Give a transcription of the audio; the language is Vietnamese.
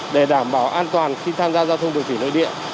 để đảm bảo an toàn khi tham gia giao thông đường thủy nội địa